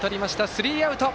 スリーアウト。